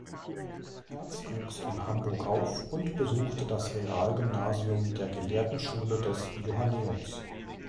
Hertz wuchs in Hamburg auf und besuchte das Realgymnasium der Gelehrtenschule des Johanneums.